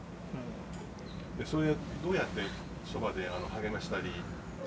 どうやってそばで励ましたり。